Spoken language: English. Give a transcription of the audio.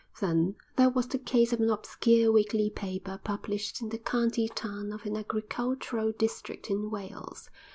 Then, there was the case of an obscure weekly paper published in the county town of an agricultural district in Wales.